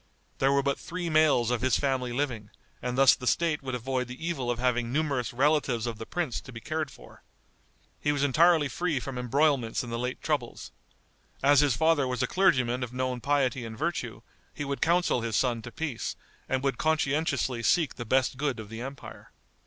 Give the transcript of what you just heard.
There were but three males of his family living, and thus the State would avoid the evil of having numerous relatives of the prince to be cared for. He was entirely free from embroilments in the late troubles. As his father was a clergyman of known piety and virtue, he would counsel his son to peace, and would conscientiously seek the best good of the empire.